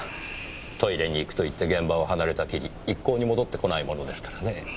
トイレに行くと言って現場を離れたきり一向に戻ってこないものですからねぇ。